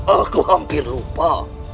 aku hampir lupa